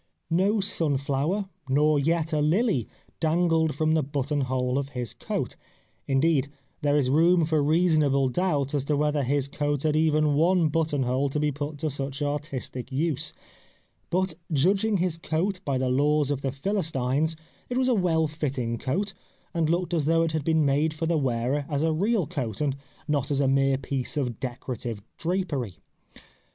No sun flower, nor yet a lily, dangled from the button hole of his coat ; indeed, there is room for reasonable doubt as to whether his coat had even one button hole to be put to such artistic use. But judging his coat by the laws of the Philistines it was a well fitting coat and looked as though it had been made for the wearer as a real coat and not as a mere piece of decorative drapery.